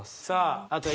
さあ